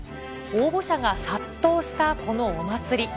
応募者が殺到したこのお祭り。